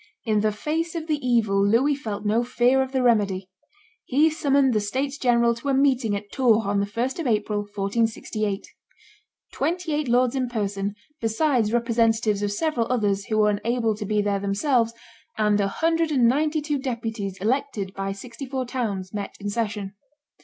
In the face of the evil Louis felt no fear of the remedy. He summoned the states general to a meeting at Tours on the 1st of April, 1468. Twenty eight lords in person, besides representatives of several others who were unable to be there themselves, and a hundred and ninety two deputies elected by sixty four towns, met in session.